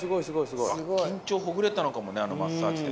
緊張ほぐれたのかもねあのマッサージで。